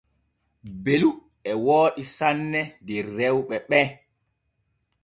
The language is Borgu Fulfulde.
Belu e wooɗi sanne der rewɓe ɓe.